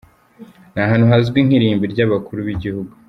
Ni ahantu hazwi nk’irimbi ry’abakuru b’igihugu.